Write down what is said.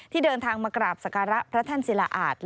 ที่เดินทางมากราบศักระพระแท่นศิลาอาจ